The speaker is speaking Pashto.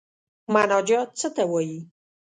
مناجات څه ته وايي.